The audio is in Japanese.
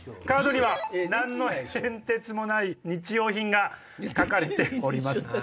カードには何の変哲もない日用品が書かれております。